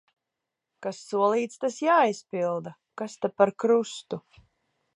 Kas solīts, tas jāizpilda. Kas ta par krustu.